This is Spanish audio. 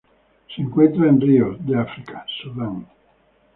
Se encuentran en ríos de África: Sudán.